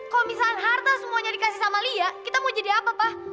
kalau misalnya harta semuanya dikasih sama lia kita mau jadi apa pak